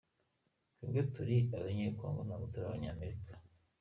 Twebwe turi abanye- Congo ntabwo turi Abanyamerika.